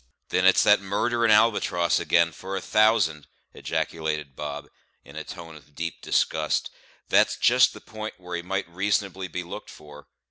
"Then it's that murderin' Albatross again, for a thousand," ejaculated Bob, in a tone of deep disgust. "That's just the p'int where he might reasonably be looked for.